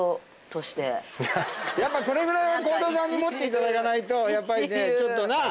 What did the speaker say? やっぱこれぐらい倖田さんに持っていただかないとやっぱりねちょっとなぁ。